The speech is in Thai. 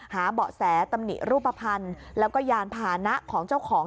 เบาะแสตำหนิรูปภัณฑ์แล้วก็ยานพาหนะของเจ้าของ